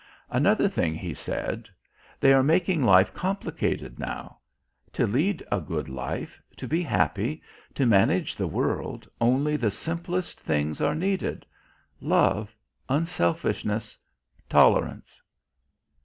Another thing He said. "They are making life complicated now. To lead a good life, to be happy, to manage the world only the simplest things are needed Love, Unselfishness, Tolerance."